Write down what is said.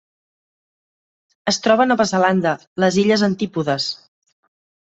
Es troba a Nova Zelanda: les illes Antípodes.